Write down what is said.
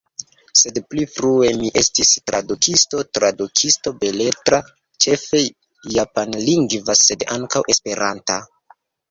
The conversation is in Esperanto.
Sed pli frue mi estis tradukisto, tradukisto beletra, ĉefe japanlingva sed ankaŭ esperanta.